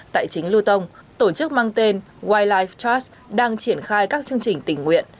tại chính luton tổ chức mang tên wildlife trust đang triển khai các chương trình tình nguyện